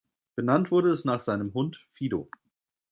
Benannt wurde es nach seinem Hund „Fido“.